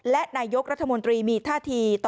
และนายกรัฐมนตรีมีท่าที